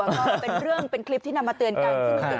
ก็เป็นเรื่องเป็นคลิปที่นำมาเตือนกัน